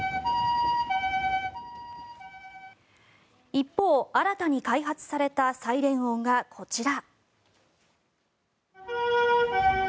一方、新たに開発されたサイレン音がこちら。